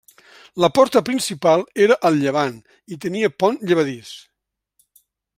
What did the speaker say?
La porta principal era al llevant i tenia pont llevadís.